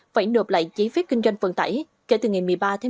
phải nộp lại giấy phép kinh doanh vận tải kể từ ngày một mươi ba một mươi một